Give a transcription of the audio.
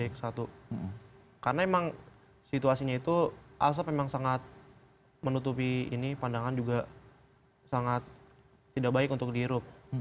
karena memang situasinya itu asap memang sangat menutupi ini pandangan juga sangat tidak baik untuk dihirup